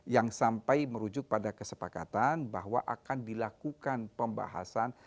yang sampai merujuk pada kesepakatan bahwa akan dilakukan pembahasan